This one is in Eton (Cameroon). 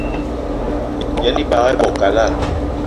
Yen ebag i bo kalada